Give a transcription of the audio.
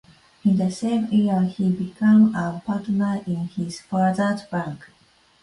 In the same year he became a partner in his father's bank.